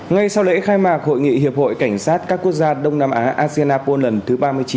ngay sau lễ khai mạc hội nghị hiệp hội cảnh sát các quốc gia đông nam á asean apol lần thứ ba mươi chín